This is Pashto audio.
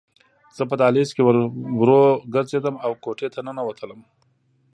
زه په دهلیز کې ورو ګرځېدم او کوټې ته ننوتم